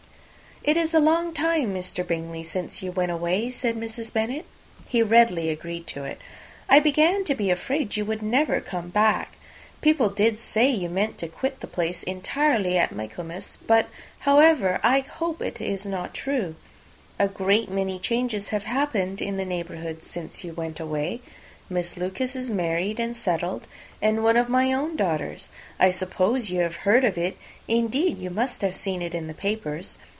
"It is a long time, Mr. Bingley, since you went away," said Mrs. Bennet. He readily agreed to it. "I began to be afraid you would never come back again. People did say, you meant to quit the place entirely at Michaelmas; but, however, I hope it is not true. A great many changes have happened in the neighbourhood since you went away. Miss Lucas is married and settled: and one of my own daughters. I suppose you have heard of it; indeed, you must have seen it in the papers.